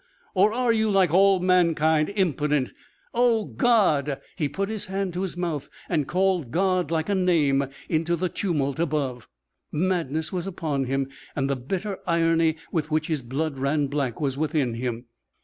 Or are You, like all mankind, impotent? Oh, God!" He put his hand to his mouth and called God like a name into the tumult above. Madness was upon him and the bitter irony with which his blood ran black was within him.